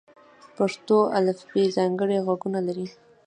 پښتو الفبې ځانګړي غږونه لري.